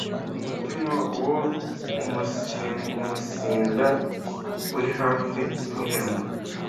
umutima wo umunsiguumunsinda uri hafi nk’irembo,